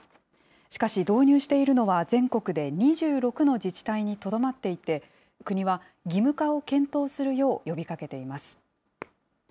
しかし、導入しているのは全国で２６の自治体にとどまっていて、国は義務化を検討するよう呼びかけています。